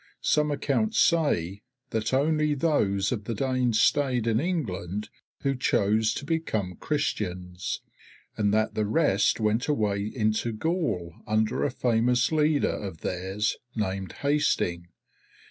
Some accounts say that only those of the Danes stayed in England who chose to become Christians, and that the rest went away into Gaul under a famous leader of theirs named Hasting.